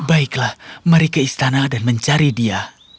baiklah mari ke istana dan mencari dia